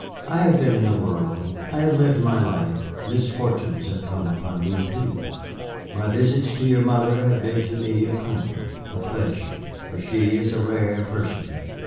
I have been in the world, I have lived my life, misfortunes have come upon me too. My visits to your mother have been to me a comfort, a pleasure, for she is a rare person."